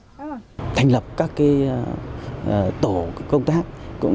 các doanh nghiệp có thể tìm hiểu về sản lượng vải thiều của tỉnh bắc giang